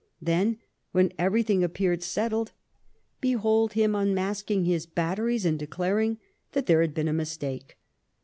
Then, when everything appeared settled, behold no Sadowa him unmasking his batteries and declaring that there had been a mistake.